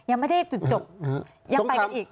ยังไม่ได้จุดจบยังไปกันอีก